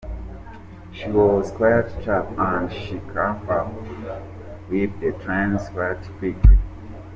She was quite sharp and she caught up with the trends quite quickly”.